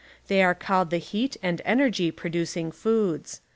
They are called the heat and energy producing foods.